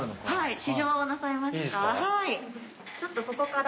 はい。